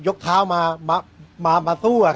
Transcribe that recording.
กเท้ามาสู้